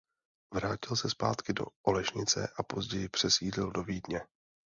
Vrátil se zpátky do Olešnice a později přesídlil do Vídně.